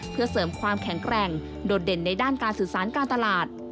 เพื่อเสริมความแข็งแกร่งโดดเด่นในด้านการสื่อสารการตลาด